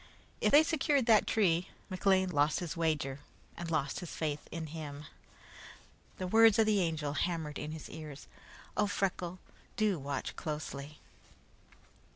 If they secured that tree, McLean lost its value, lost his wager, and lost his faith in him. The words of the Angel hammered in his ears. "Oh, Freckles, do watch closely!"